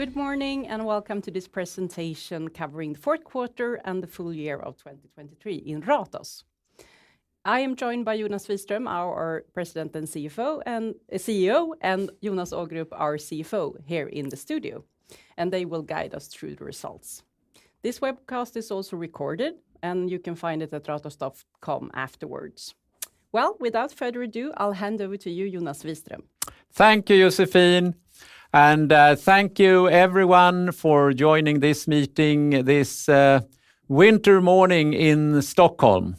Good morning and welcome to this presentation covering the fourth quarter and the full year of 2023 in Ratos. I am joined by Jonas Wiström, our President and CEO, and Jonas Ågrup, our CFO, here in the studio, and they will guide us through the results. This webcast is also recorded, and you can find it at ratos.com afterwards. Without further ado, I'll hand over to you, Jonas Wiström. Thank you, Josefine, and thank you everyone for joining this meeting this winter morning in Stockholm.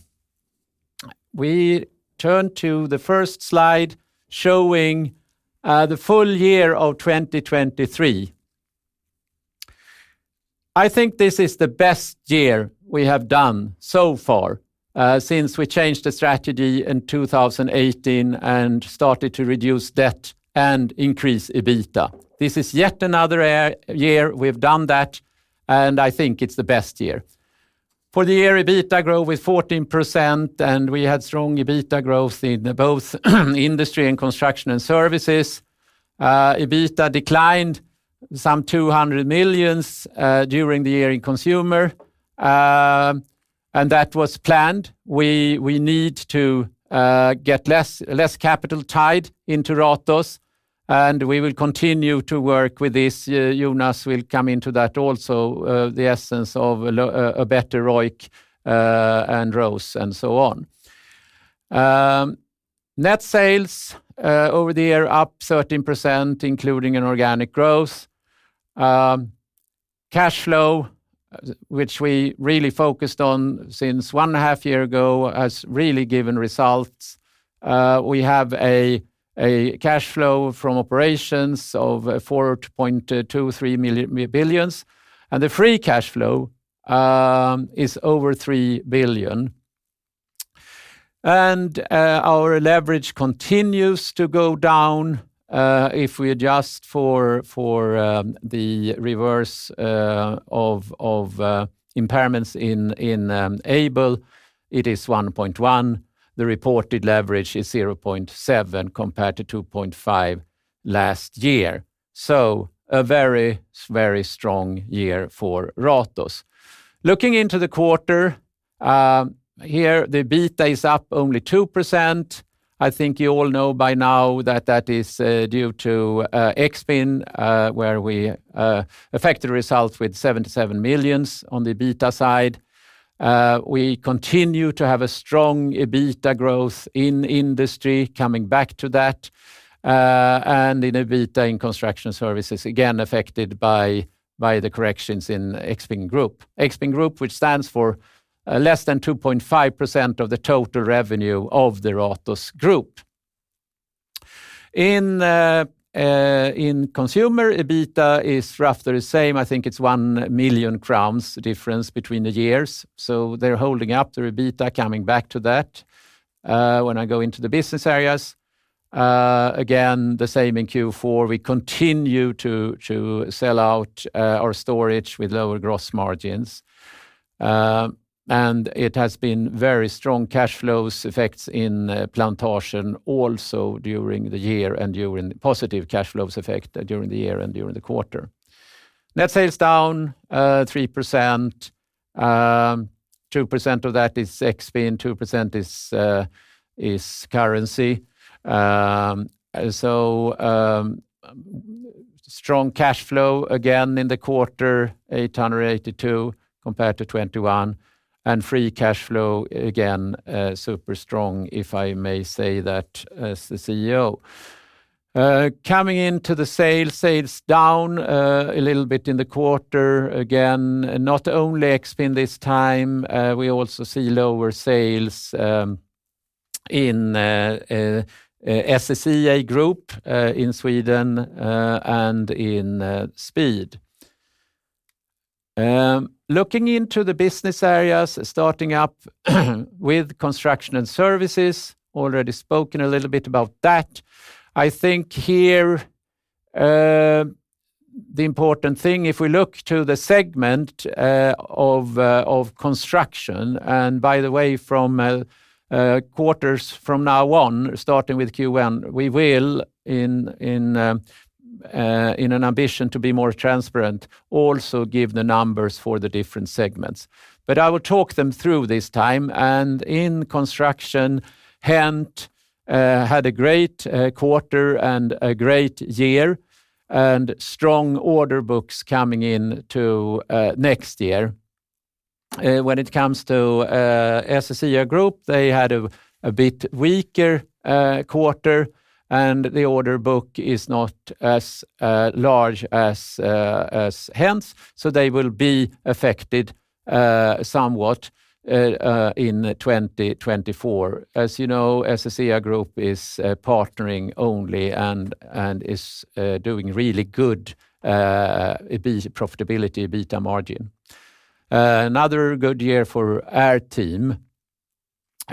We turn to the first slide showing the full year of 2023. I think this is the best year we have done so far since we changed the strategy in 2018 and started to reduce debt and increase EBITDA. This is yet another year we've done that, and I think it's the best year. For the year, EBITDA grew with 14%, and we had strong EBITDA growth in both industry and construction and services. EBITDA declined some 200 million during the year in consumer, and that was planned. We need to get less capital tied into Ratos, and we will continue to work with this. Jonas will come into that also: the essence of a better ROIC and growth, and so on. Net sales over the year up 13%, including in organic growth. Cash flow, which we really focused on since one and a half years ago, has really given results. We have a cash flow from operations of 4.23 billion, and the free cash flow is over 3 billion. Our leverage continues to go down. If we adjust for the reverse of impairments in Aibel, it is 1.1. The reported leverage is 0.7 compared to 2.5 last year, so a very, very strong year for Ratos. Looking into the quarter here, the EBITDA is up only 2%. I think you all know by now that that is due to Exrail, where we affected results with 77 million on the EBITDA side. We continue to have a strong EBITDA growth in industry, coming back to that, and in EBITDA in construction and services, again affected by the corrections in Exrail, which stands for less than 2.5% of the total revenue of the Ratos Group. In consumer, EBITDA is roughly the same. I think it's 1 million crowns difference between the years, so they're holding up their EBITDA, coming back to that when I go into the business areas. Again, the same in Q4. We continue to sell out our storage with lower gross margins, and it has been very strong cash flows effects in Plantasjen also during the year and during positive cash flows effect during the year and during the quarter. Net sales down 3%. 2% of that is Exrail, 2% is currency. Strong cash flow again in the quarter, 882 compared to 2021, and free cash flow again super strong, if I may say that as the CEO. Coming into the sales, sales down a little bit in the quarter again, not only Exrail this time. We also see lower sales in SSEA Group in Sweden and in Speed Group. Looking into the business areas, starting up with construction and services already spoken a little bit about that. I think here the important thing, if we look to the segment of construction, and by the way, from quarters from now on, starting with Q1, we will, in an ambition to be more transparent, also give the numbers for the different segments. But I will talk them through this time. In construction, HENT had a great quarter and a great year and strong order books coming into next year. When it comes to SSEA Group, they had a bit weaker quarter, and the order book is not as large as HENT's, so they will be affected somewhat in 2024. As you know, SSEA Group is partnering only and is doing really good profitability EBITDA margin. Another good year for our team.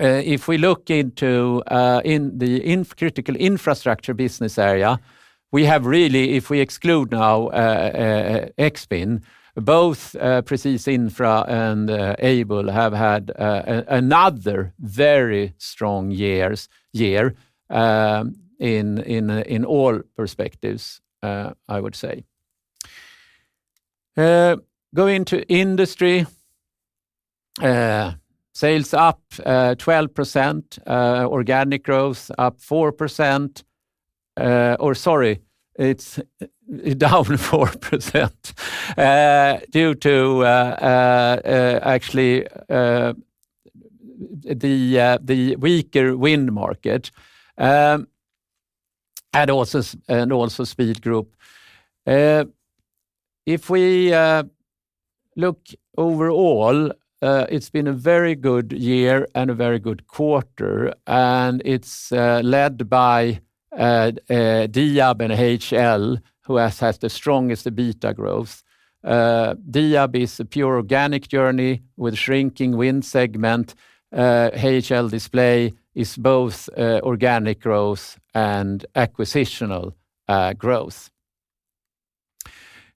If we look into the critical infrastructure business area, we have really, if we exclude now Exrail, both Presis Infra and Aibel have had another very strong year in all perspectives, I would say. Going into industry, sales up 12%, organic growth up 4%, or sorry, it's down 4% due to actually the weaker wind market and also Speed Group. If we look overall, it's been a very good year and a very good quarter, and it's led by Diab and HL, who has the strongest EBITDA growth. Diab is a pure organic journey with a shrinking wind segment. HL Display is both organic growth and acquisitional growth.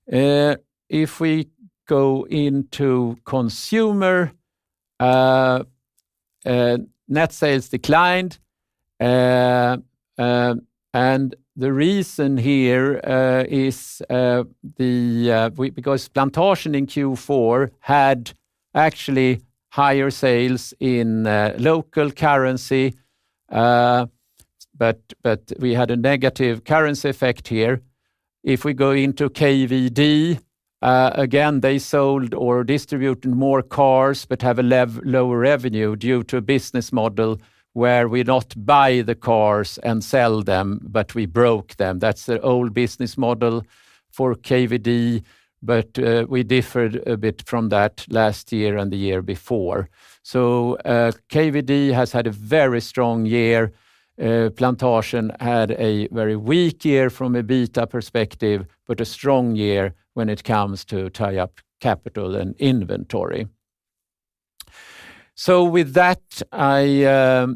If we go into consumer, net sales declined, and the reason here is because Plantasjen in Q4 had actually higher sales in local currency, but we had a negative currency effect here. If we go into KVD, again, they sold or distributed more cars but have a lower revenue due to a business model where we do not buy the cars and sell them, but we broker them. That's the old business model for KVD, but we differed a bit from that last year and the year before. So KVD has had a very strong year. Plantasjen had a very weak year from an EBITDA perspective, but a strong year when it comes to tying up capital and inventory. With that, I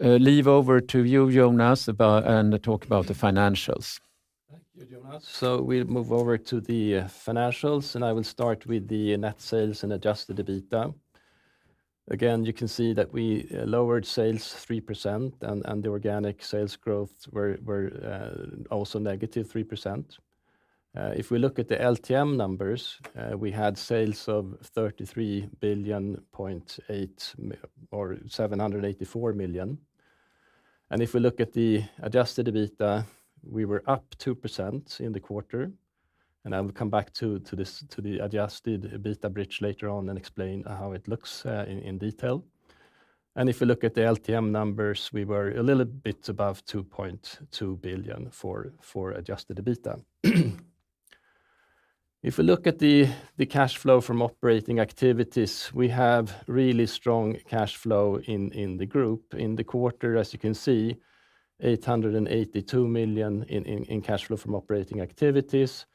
leave over to you, Jonas, and talk about the financials. Thank you, Jonas. So we'll move over to the financials, and I will start with the net sales and adjusted EBITDA. Again, you can see that we lowered sales 3% and the organic sales growth were also negative 3%. If we look at the LTM numbers, we had sales of 784 million, and if we look at the adjusted EBITDA, we were up 2% in the quarter. I will come back to the adjusted EBITDA bridge later on and explain how it looks in detail. If we look at the LTM numbers, we were a little bit above 2.2 billion for adjusted EBITDA. If we look at the cash flow from operating activities, we have really strong cash flow in the group in the quarter, as you can see: 882 million in cash flow from operating activities.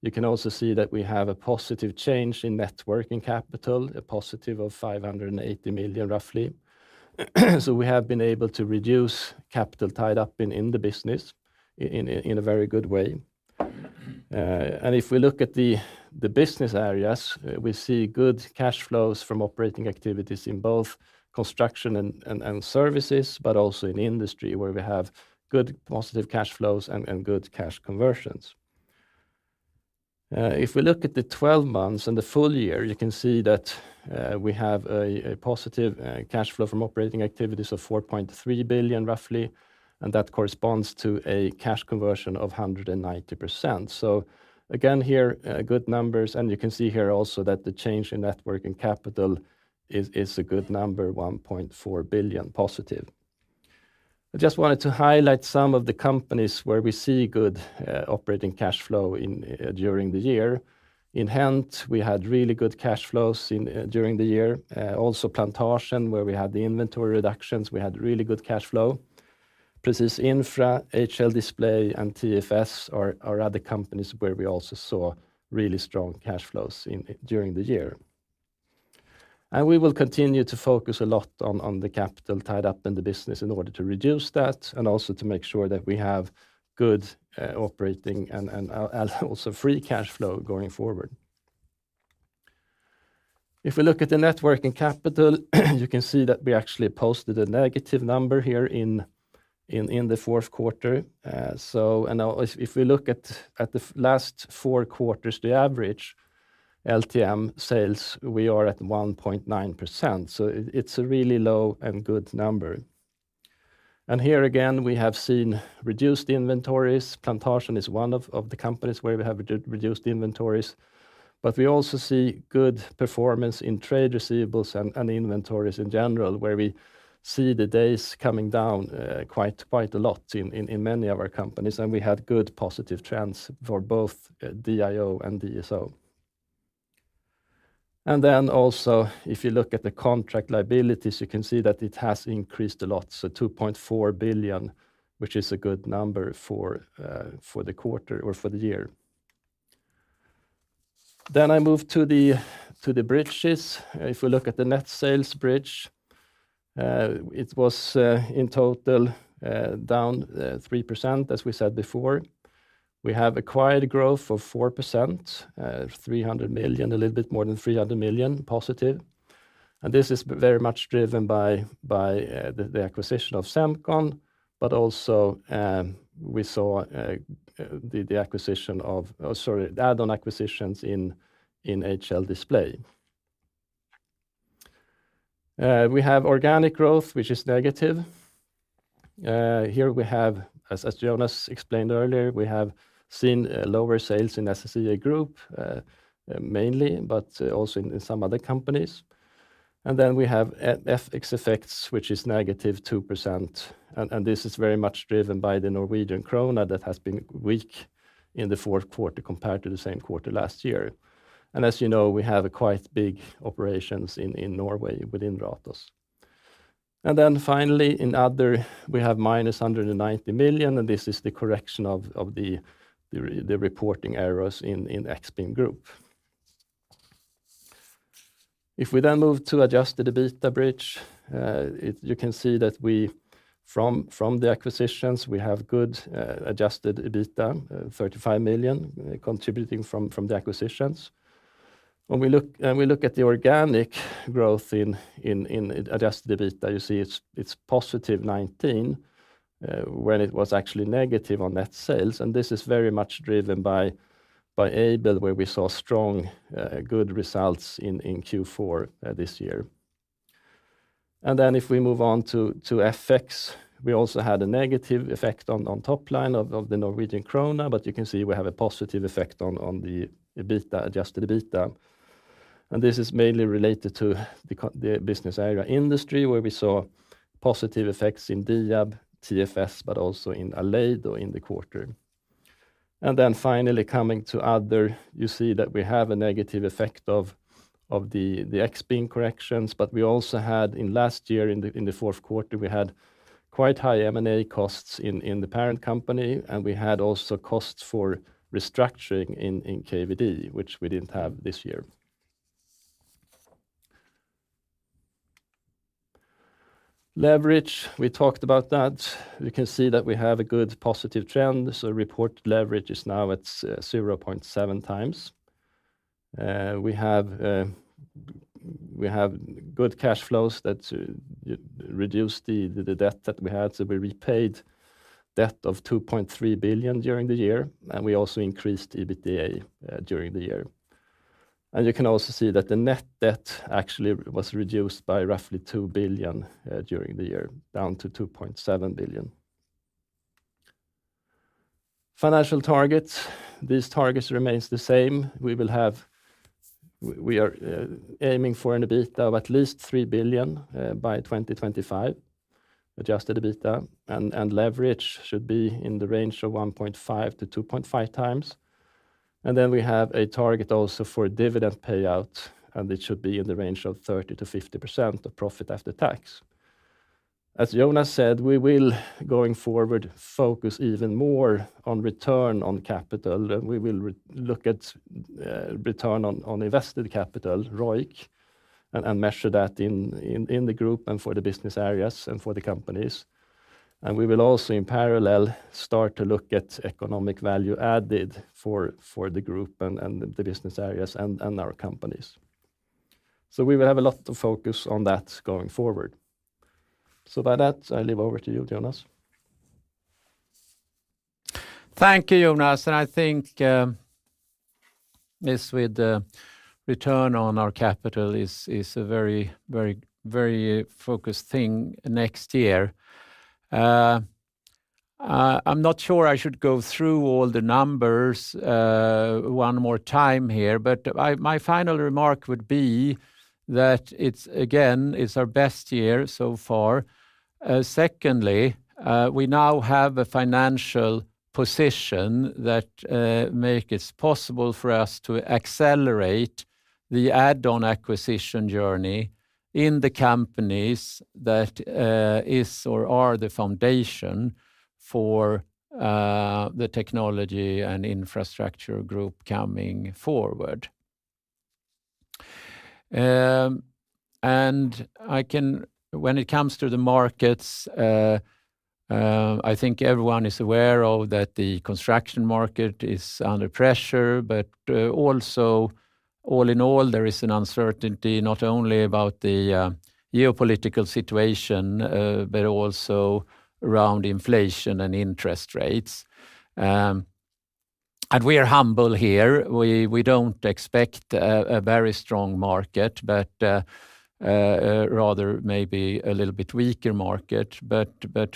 You can also see that we have a positive change in net working capital, a positive of 580 million roughly. So we have been able to reduce capital tied up in the business in a very good way. If we look at the business areas, we see good cash flows from operating activities in both construction and services, but also in industry where we have good positive cash flows and good cash conversions. If we look at the 12 months and the full year, you can see that we have a positive cash flow from operating activities of 4.3 billion roughly, and that corresponds to a cash conversion of 190%. So again here, good numbers, and you can see here also that the change in net working capital is a good number, 1.4 billion positive. I just wanted to highlight some of the companies where we see good operating cash flow during the year. In HENT, we had really good cash flows during the year. Also Plantasjen, where we had the inventory reductions, we had really good cash flow. Presis Infra, HL Display, and TFS are other companies where we also saw really strong cash flows during the year. We will continue to focus a lot on the capital tied up in the business in order to reduce that and also to make sure that we have good operating and also free cash flow going forward. If we look at the net working capital, you can see that we actually posted a negative number here in the fourth quarter. If we look at the last four quarters, the average LTM sales, we are at 1.9%, so it's a really low and good number. Here again, we have seen reduced inventories. Plantasjen is one of the companies where we have reduced inventories, but we also see good performance in trade receivables and inventories in general, where we see the days coming down quite a lot in many of our companies, and we had good positive trends for both DIO and DSO. Then also, if you look at the contract liabilities, you can see that it has increased a lot, so 2.4 billion, which is a good number for the quarter or for the year. Then I move to the bridges. If we look at the net sales bridge, it was in total down 3%, as we said before. We have acquired growth of 4%, 300 million, a little bit more than 300 million positive, and this is very much driven by the acquisition of Semcon, but also we saw the add-on acquisitions in HL Display. We have organic growth, which is negative. Here, as Jonas explained earlier, we have seen lower sales in SSEA Group mainly, but also in some other companies. Then we have FX effects, which is negative 2%, and this is very much driven by the Norwegian krone that has been weak in the fourth quarter compared to the same quarter last year. As you know, we have quite big operations in Norway within Ratos. Then finally, in other, we have minus 190 million, and this is the correction of the reporting errors in Exrail. If we then move to adjusted EBITDA bridge, you can see that from the acquisitions, we have good adjusted EBITDA, 35 million contributing from the acquisitions. When we look at the organic growth in adjusted EBITDA, you see it's positive 19 when it was actually negative on net sales, and this is very much driven by Aibel, where we saw strong, good results in Q4 this year. Then if we move on to FX, we also had a negative effect on top line of the Norwegian krone, but you can see we have a positive effect on the adjusted EBITDA, and this is mainly related to the business area industry, where we saw positive effects in Diab, TFS, but also in Aleido in the quarter. Then finally, coming to other, you see that we have a negative effect of the Exrail corrections, but we also had in last year, in the fourth quarter, we had quite high M&A costs in the parent company, and we had also costs for restructuring in KVD, which we didn't have this year. Leverage, we talked about that. You can see that we have a good positive trend, so reported leverage is now at 0.7 times. We have good cash flows that reduced the debt that we had, so we repaid debt of 2.3 billion during the year, and we also increased EBITDA during the year. You can also see that the net debt actually was reduced by roughly 2 billion during the year, down to 2.7 billion. Financial targets, these targets remain the same. We are aiming for an EBITDA of at least 3 billion by 2025, adjusted EBITDA, and leverage should be in the range of 1.5-2.5x. Then we have a target also for dividend payout, and it should be in the range of 30%-50% of profit after tax. As Jonas said, we will going forward focus even more on return on capital. We will look at return on invested capital, ROIC, and measure that in the group and for the business areas and for the companies. We will also in parallel start to look at economic value added for the group and the business areas and our companies. So we will have a lot of focus on that going forward. So by that, I leave over to you, Jonas. Thank you, Jonas. I think this with return on our capital is a very focused thing next year. I'm not sure I should go through all the numbers one more time here, but my final remark would be that again, it's our best year so far. Secondly, we now have a financial position that makes it possible for us to accelerate the add-on acquisition journey in the companies that are the foundation for the technology and infrastructure group coming forward. When it comes to the markets, I think everyone is aware of that the construction market is under pressure, but also all in all, there is an uncertainty not only about the geopolitical situation, but also around inflation and interest rates. We are humble here. We don't expect a very strong market, but rather maybe a little bit weaker market.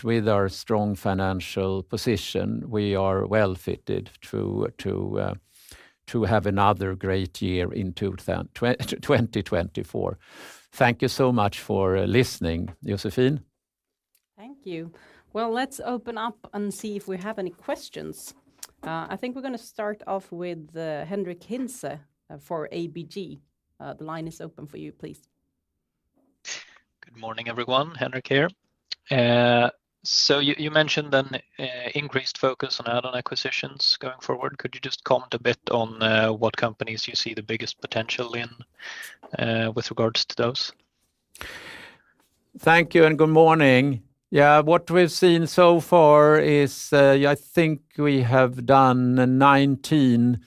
With our strong financial position, we are well fitted to have another great year in 2024. Thank you so much for listening, Josefine. Thank you. Well, let's open up and see if we have any questions. I think we're going to start off with Henric Hintze for ABG. The line is open for you, please. Good morning, everyone. Henrik here. So you mentioned an increased focus on add-on acquisitions going forward. Could you just comment a bit on what companies you see the biggest potential in with regards to those? Thank you and good morning. What we've seen so far is I think we have done 19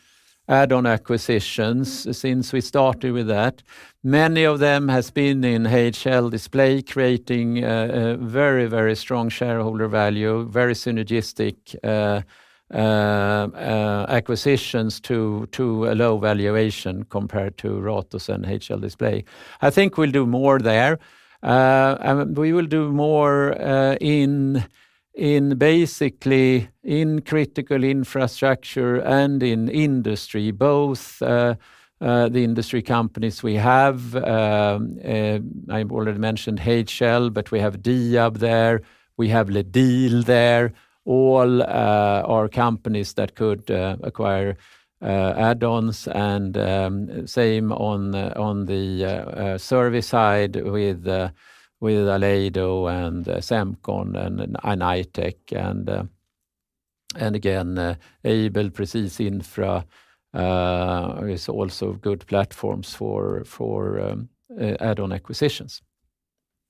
add-on acquisitions since we started with that. Many of them have been in HL Display, creating very, very strong shareholder value, very synergistic acquisitions to a low valuation compared to Ratos and HL Display. I think we'll do more there. We will do more basically in critical infrastructure and in industry, both the industry companies we have—I already mentioned HL, but we have Diab there, we have Aibel there—all are companies that could acquire add-ons. Same on the service side with Aleido and Semcon and Knightec. Again, Aibel Presis Infra is also good platforms for add-on acquisitions.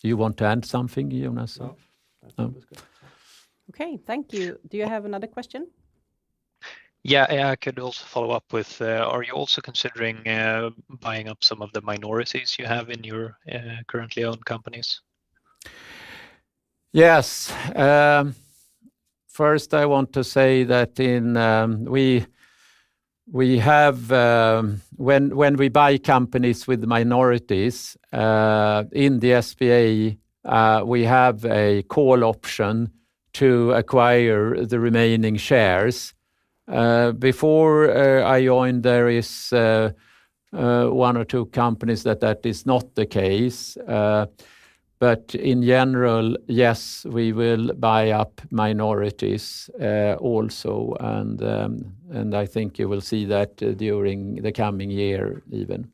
Do you want to add something, Jonas? Okay, thank you. Do you have another question? Yeah, I could also follow up with: Are you also considering buying up some of the minorities you have in your currently owned companies? Yes. First, I want to say that when we buy companies with minorities in the SPA, we have a call option to acquire the remaining shares. Before I joined, there were one or two companies that that is not the case, but in general, yes, we will buy up minorities also, and I think you will see that during the coming year even.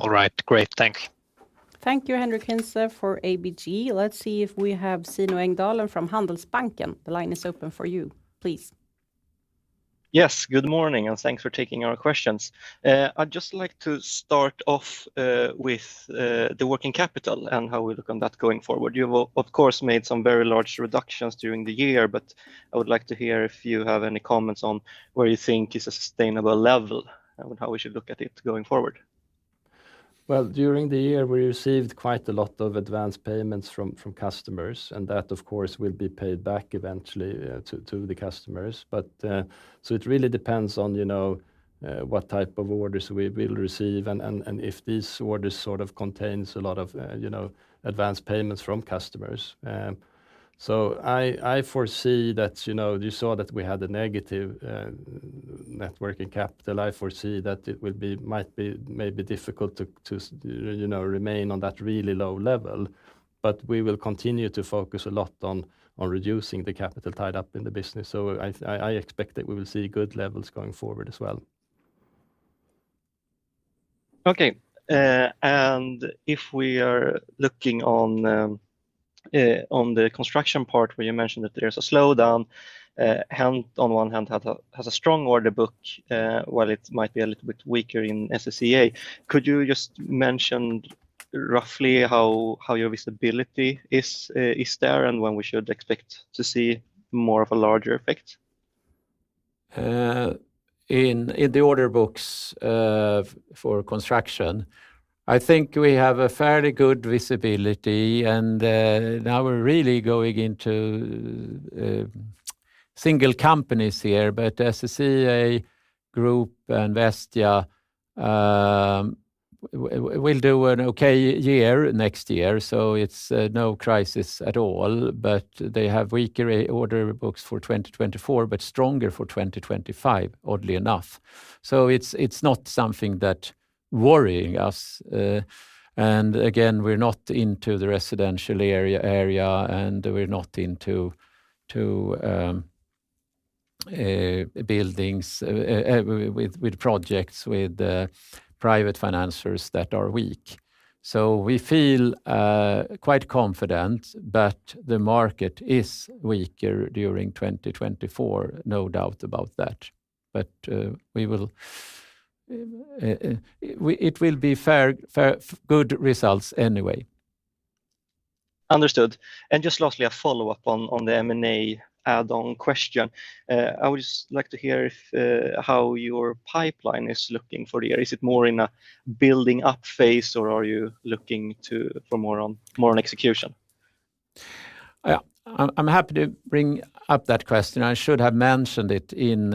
All right, great. Thank you. Thank you, Henric Hintze, for ABG. Let's see if we have Rasmus Engberg from Handelsbanken. The line is open for you, please. Yes, good morning, and thanks for taking our questions. I'd just like to start off with the working capital and how we look on that going forward. You've, of course, made some very large reductions during the year, but I would like to hear if you have any comments on where you think is a sustainable level and how we should look at it going forward. Well, during the year, we received quite a lot of advance payments from customers, and that, of course, will be paid back eventually to the customers. So it really depends on what type of orders we will receive and if these orders sort of contain a lot of advance payments from customers. So I foresee that you saw that we had a negative net working capital. I foresee that it might be difficult to remain on that really low level, but we will continue to focus a lot on reducing the capital tied up in the business. So I expect that we will see good levels going forward as well. Okay. If we are looking on the construction part where you mentioned that there's a slowdown, HENT on one hand has a strong order book, while it might be a little bit weaker in SSEA, could you just mention roughly how your visibility is there and when we should expect to see more of a larger effect? In the order books for construction, I think we have a fairly good visibility, and now we're really going into single companies here, but SSEA Group and Vestia will do an okay year next year, so it's no crisis at all. They have weaker order books for 2024 but stronger for 2025, oddly enough. So it's not something that's worrying us. Again, we're not into the residential area, and we're not into buildings with projects with private financers that are weak. So we feel quite confident that the market is weaker during 2024, no doubt about that, but it will be good results anyway. Understood. Just lastly, a follow-up on the M&A add-on question. I would just like to hear how your pipeline is looking for the year. Is it more in a building-up phase, or are you looking for more on execution? Yeah, I'm happy to bring up that question. I should have mentioned it in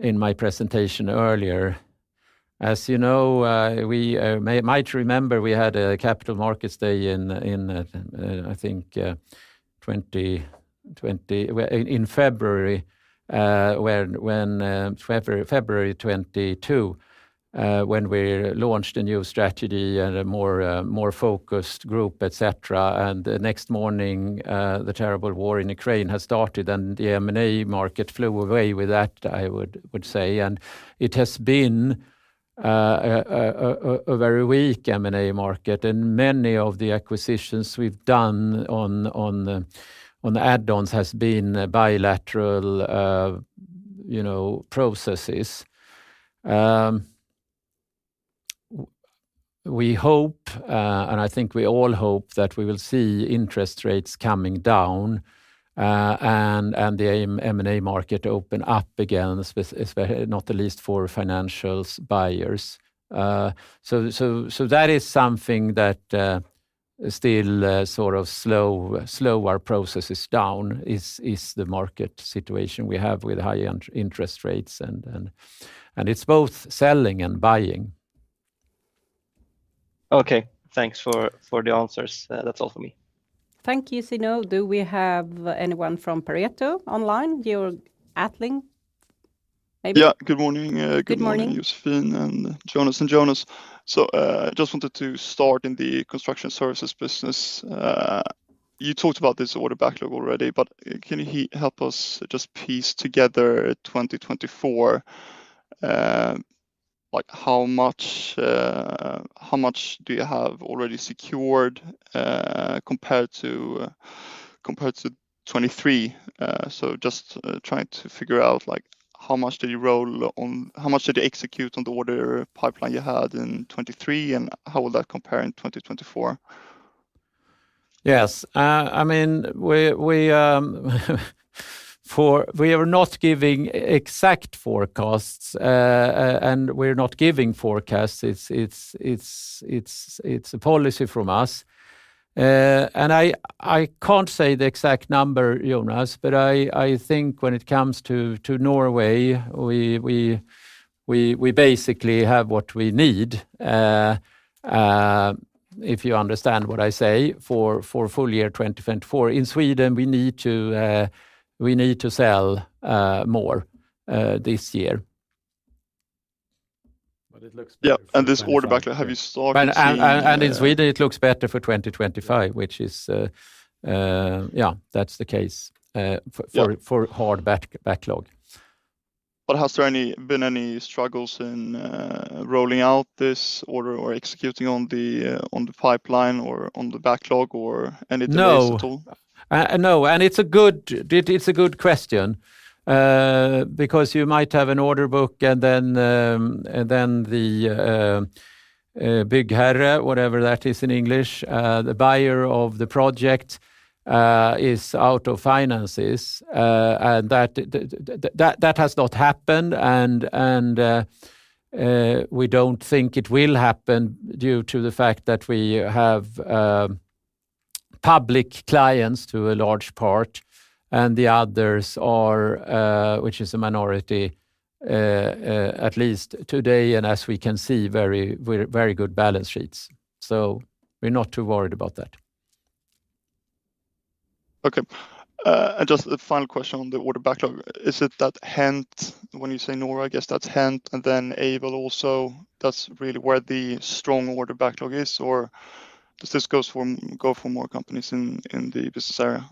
my presentation earlier. As you know, you might remember we had a Capital Markets Day in February 2022 when we launched a new strategy and a more focused group, et cetera. The next morning, the terrible war in Ukraine has started, and the M&A market flew away with that, I would say. It has been a very weak M&A market, and many of the acquisitions we've done on add-ons have been bilateral processes. We hope, and I think we all hope, that we will see interest rates coming down and the M&A market open up again, not the least for financials buyers. So that is something that still sort of slows our processes down, is the market situation we have with high interest rates. It's both selling and buying. Okay, thanks for the answers. That's all from me. Thank you, Rasmus. Do we have anyone from Pareto online? Georg Attling, maybe? Yeah, good morning. Good morning. Josefine and Jonas. Jonas, I just wanted to start in the construction services business. You talked about this order backlog already, but can you help us just piece together 2024? How much do you have already secured compared to 2023? So just trying to figure out how much did you roll on how much did you execute on the order pipeline you had in 2023, and how will that compare in 2024? Yes. I mean, we are not giving exact forecasts, and we're not giving forecasts. It's a policy from us. I can't say the exact number, Jonas, but I think when it comes to Norway, we basically have what we need, if you understand what I say, for full year 2024. In Sweden, we need to sell more this year. But it looks better for. Yeah, and this order backlog, have you started? In Sweden, it looks better for 2025, which is yeah, that's the case for hard backlog. But has there been any struggles in rolling out this order or executing on the pipeline or on the backlog or any delays at all? No, and it's a good question because you might have an order book, and then the byggherre, whatever that is in English, the buyer of the project is out of finances, and that has not happened. We don't think it will happen due to the fact that we have public clients to a large part, and the others are, which is a minority at least today and as we can see, very good balance sheets. So we're not too worried about that. Okay. Just the final question on the order backlog: Is it that HENT when you say Norway, I guess that's HENT, and then Aibel also, that's really where the strong order backlog is, or does this go for more companies in the business area?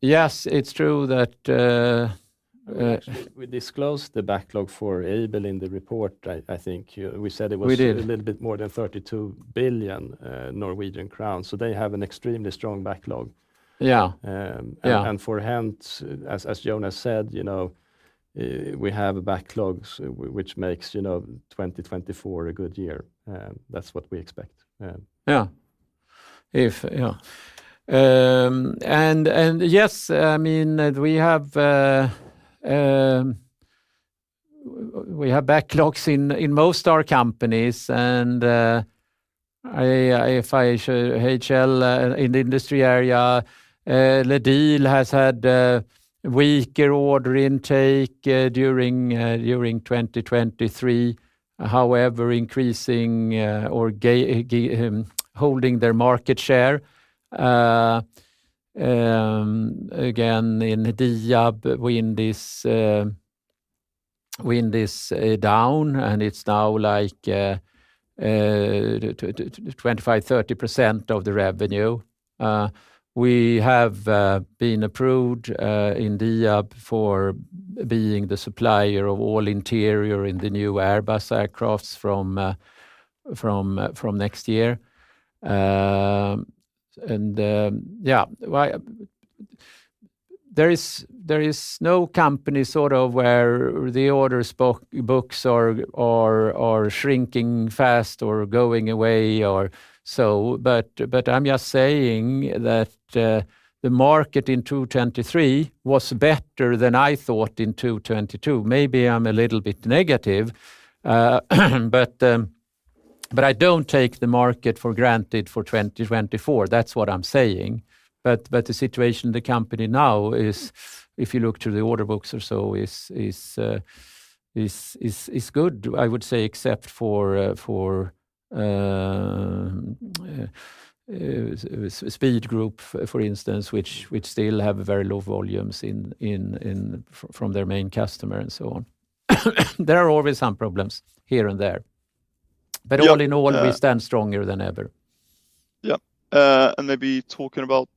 Yes, it's true that we disclosed the backlog for Aibel in the report, I think. We said it was a little bit more than 32 billion Norwegian crowns, so they have an extremely strong backlog. For HENT, as Jonas said, we have a backlog which makes 2024 a good year. That's what we expect. Yeah. Yes, I mean, we have backlogs in most of our companies. If I show HL in the industry area, Aleido has had weaker order intake during 2023, however, increasing or holding their market share. Again, in Diab, wind is down, and it's now like 25%-30% of the revenue. We have been approved in Diab for being the supplier of all interior in the new Airbus aircrafts from next year. There is no company sort of where the order books are shrinking fast or going away or so, but I'm just saying that the market in 2023 was better than I thought in 2022. Maybe I'm a little bit negative, but I don't take the market for granted for 2024. That's what I'm saying. The situation in the company now is, if you look through the order books or so, is good, I would say, except for Speed Group, for instance, which still have very low volumes from their main customer and so on. There are always some problems here and there, but all in all, we stand stronger than ever. Yeah. Maybe talking about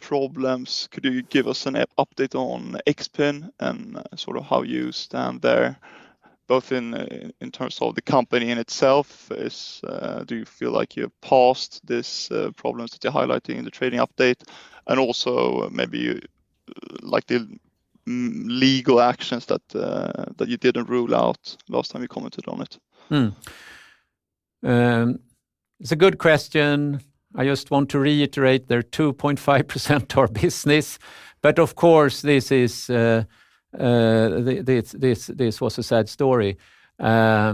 problems, could you give us an update on Exrail and sort of how you stand there, both in terms of the company in itself? Do you feel like you've passed these problems that you're highlighting in the trading update? And also maybe the legal actions that you didn't rule out last time you commented on it. It's a good question. I just want to reiterate they're 2.5% of our business, but of course, this was a sad story. I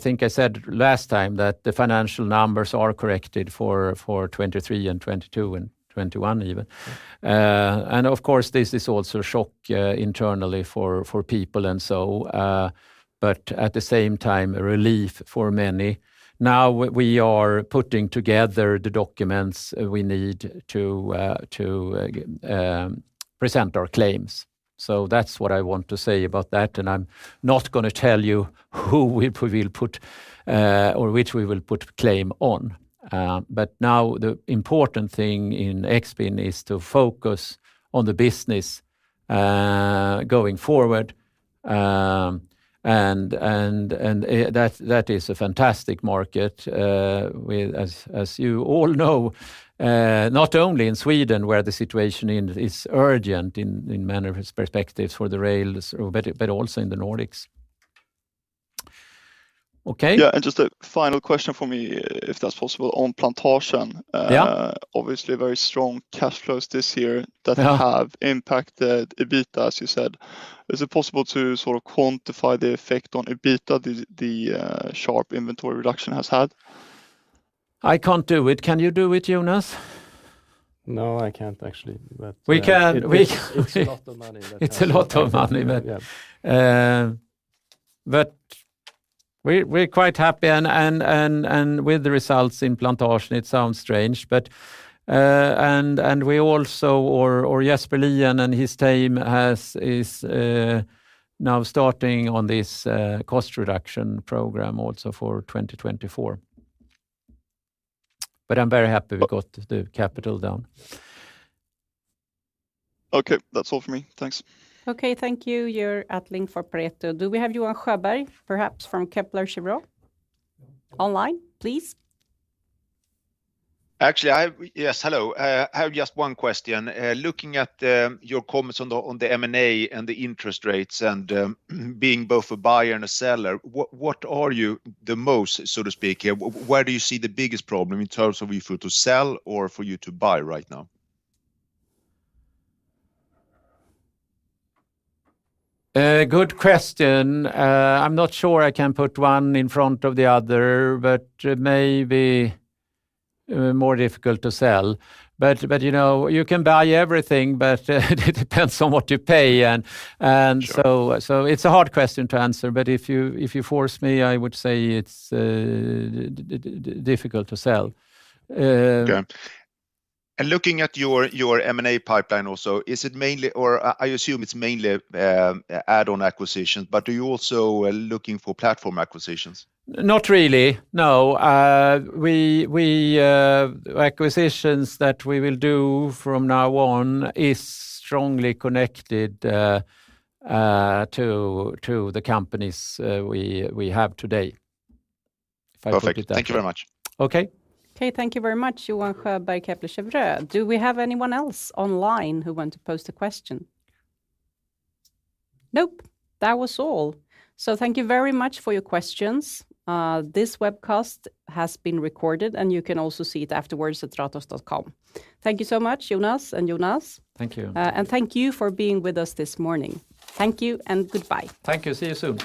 think I said last time that the financial numbers are corrected for 2023 and 2022 and 2021 even. Of course, this is also a shock internally for people and so, but at the same time, relief for many. Now we are putting together the documents we need to present our claims. So that's what I want to say about that, and I'm not going to tell you who we will put or which we will put a claim on, but now the important thing in Expin is to focus on the business going forward, and that is a fantastic market, as you all know, not only in Sweden where the situation is urgent in many perspectives for the rails, but also in the Nordics. Okay? Yeah. Just a final question for me, if that's possible, on Plantasjen. Obviously, very strong cash flows this year that have impacted EBITDA, as you said. Is it possible to sort of quantify the effect on EBITDA the sharp inventory reduction has had? I can't do it. Can you do it, Jonas? No, I can't actually, but. We can't. It's a lot of money. It's a lot of money, but we're quite happy with the results in Plantasjen. It sounds strange, but we also or Jesper Lien and his team is now starting on this cost reduction program also for 2024, but I'm very happy we got the capital down. Okay, that's all from me. Thanks. Okay, thank you. Georg Attling for Pareto. Do we have Johan Sjöberg, perhaps from Kepler Cheuvreux? Online, please. Actually, yes, hello. I have just one question. Looking at your comments on the M&A and the interest rates and being both a buyer and a seller, what are you the most, so to speak, here? Where do you see the biggest problem in terms of either to sell or for you to buy right now? Good question. I'm not sure I can put one in front of the other, but maybe more difficult to sell. You can buy everything, but it depends on what you pay, and so it's a hard question to answer. But if you force me, I would say it's difficult to sell. Okay. Looking at your M&A pipeline also, is it mainly or I assume it's mainly add-on acquisitions, but are you also looking for platform acquisitions? Not really, no. Acquisitions that we will do from now on are strongly connected to the companies we have today, if I put it that way. Perfect. Thank you very much. Okay. Okay, thank you very much, Johan Sjöberg, Kepler Cheuvreux. Do we have anyone else online who want to post a question? Nope, that was all. So thank you very much for your questions. This webcast has been recorded, and you can also see it afterwards at ratos.com. Thank you so much, Jonas and Jonas. Thank you. Thank you for being with us this morning. Thank you and goodbye. Thank you. See you soon.